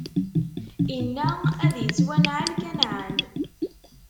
Inna: Ad ittwanɛel Kanɛan!